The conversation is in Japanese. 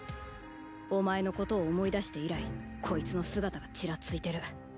お前のことを思い出して以来こいつの姿がチラついてる。